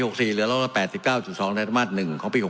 เหลือ๑๘๙๒ในช่วงไทยมาส๑ของปี๖๕